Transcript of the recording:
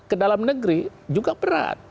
kedalam negeri juga berat